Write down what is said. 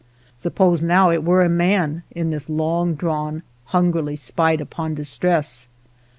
Suppose now it were a man in this long drawn, hungrily spied upon distress